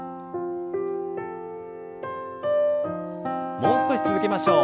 もう少し続けましょう。